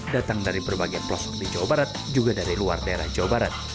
datang dari berbagai pelosok di jawa barat juga dari luar daerah jawa barat